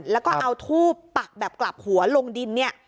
แล้วก็เอาทูบปักแบบกลับหัวลงดินเนี่ย